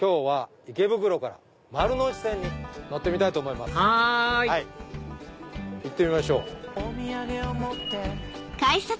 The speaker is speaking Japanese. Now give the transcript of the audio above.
はい行ってみましょう。